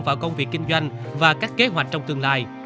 vào công việc kinh doanh và các kế hoạch trong tương lai